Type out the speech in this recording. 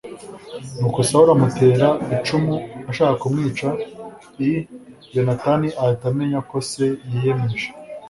Nuko Sawuli amutera icumu ashaka kumwica i Yonatani ahita amenya ko se yiyemeje